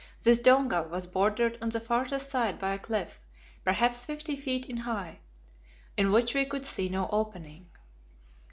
This donga was bordered on the farther side by a cliff, perhaps fifty feet in height, in which we could see no opening.